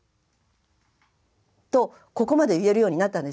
とここまで言えるようになったんです。